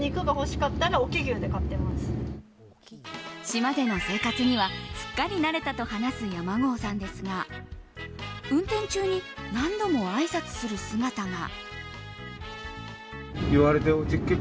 島での生活にはすっかり慣れたと話す山郷さんですが運転中に何度もあいさつする姿が。